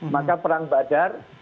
maka perang badar